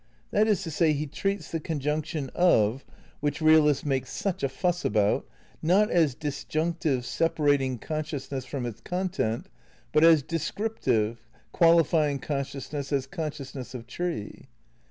That is to say he treats the conjunction "of," which realists make such a fuss about, not as disjunctive, separating conscious ness from its content, but as descriptive, qualifying con sciousness as consciousness of tree.